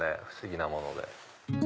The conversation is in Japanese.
不思議なもので。